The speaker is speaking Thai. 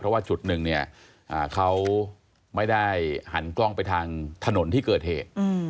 เพราะว่าจุดหนึ่งเนี่ยเขาไม่ได้หันกล้องไปทางถนนที่เกิดเหตุ